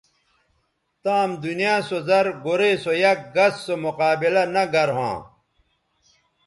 تام دنیا سو زر گورئ سو یک گس سو مقابلہ نہ گر ھواں